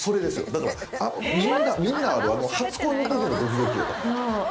だからみんなある。